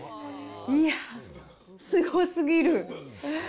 いやー、すごすぎる。